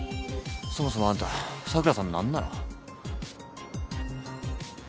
そもそもあんた桜さんの何なの？